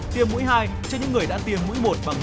tiêm mũi hai cho những người đã tiêm mũi hai